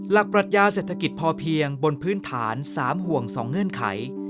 ปรัชญาเศรษฐกิจพอเพียงบนพื้นฐาน๓ห่วง๒เงื่อนไข